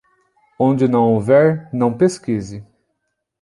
Onde não houver, não pesquise.